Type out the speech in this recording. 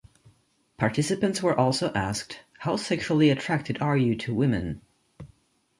Participants were also asked How sexually attracted are you to women?